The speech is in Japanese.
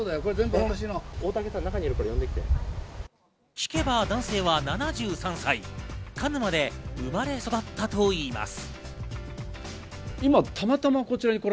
聞けば男性は７３歳、鹿沼で生まれ育ったといいます。